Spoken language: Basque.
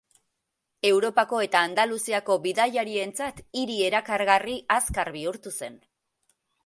Europako eta Andaluziako bidaiarientzat hiri erakargarri azkar bihurtu zen.